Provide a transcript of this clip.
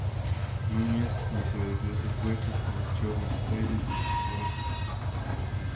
Núñez disolvió sus fuerzas y marchó a Buenos Aires, donde fijó residencia.